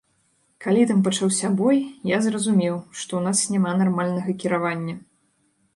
Калі там пачаўся бой, я зразумеў, што ў нас няма нармальнага кіравання.